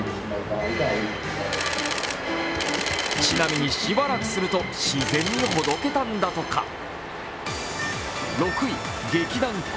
ちなみに、しばらくすると自然にほどけたんだとか。